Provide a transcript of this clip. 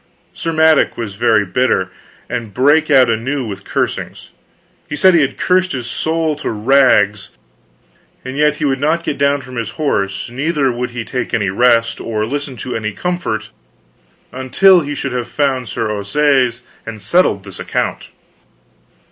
Sir Madok was very bitter, and brake out anew with cursings. He said he had cursed his soul to rags; and yet he would not get down from his horse, neither would he take any rest, or listen to any comfort, until he should have found Sir Ossaise and settled this account.